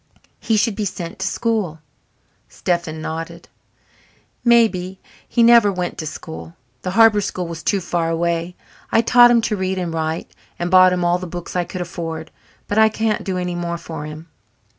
He should be sent to school." Stephen nodded. "Maybe. He never went to school. The harbour school was too far away. I taught him to read and write and bought him all the books I could afford. But I can't do any more for him."